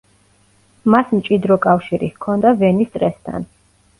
მას მჭიდრო კავშირი ჰქონდა ვენის წრესთან.